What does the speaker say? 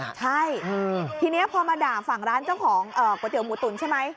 ใช่ทีนี้พอมาด่าฝั่งร้านเจ้าของก๋วยเตี๋ยหมูตุ๋นใช่ไหม